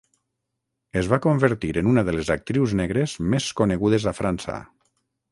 Es va convertir en una de les actrius negres més conegudes a França.